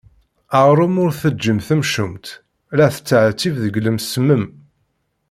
Aɣrum ur t-tenǧim temcumt, la tettɛettib deg lemsemmen.